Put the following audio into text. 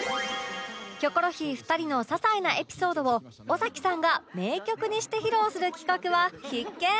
キョコロヒー２人のささいなエピソードを尾崎さんが名曲にして披露する企画は必見！